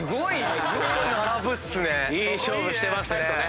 いい勝負してますね。